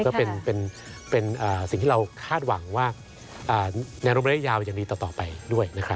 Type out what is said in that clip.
ก็เป็นสิ่งที่เราคาดหวังว่าในรวมระยะยาวยังดีต่อไปด้วยนะครับ